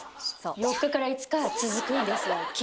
４日から５日続くんですよ。